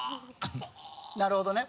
なるほどね。